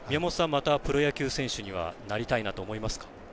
またプロ野球選手なりたいなって思いますか。